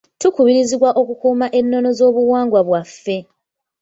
Tukubirizibwa okukuuma enono z'obuwangwa bwaffe.